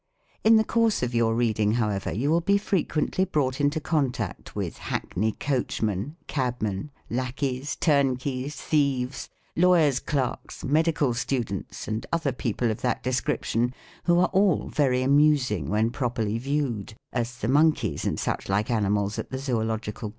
In the course of your reading, however, you will be frequently brought into contact with hack ney coachmen, cabmen, lackeys, turnkeys, thieves, lawyers' clerks, medical students, and other people of that description, who are all very amusing when pro perly viewed, as the monkeys and such like animals at the Zoological